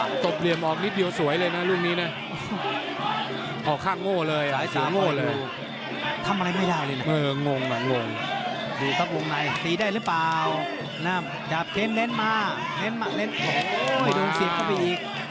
อเจมส์ตบเหลี่ยมออกนิดเดียวสวยเลยนะลูกนี้นะออกข้างโง่เลยอ่ะเสียโง่เลยงงอ่ะงงอ่ะดีครับลูกในดีได้หรือเปล่าจับเทนเล่นมาเล่นมาเล่นมาโห้ยโดนเสียเข้าไปอีก